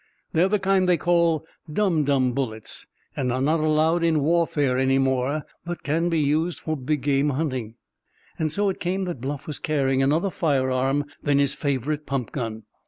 They're the kind they call dum dum bullets, and are not allowed in warfare any more, but can be used for big game hunting." And so it came that Bluff was carrying another firearm than his favorite pump gun.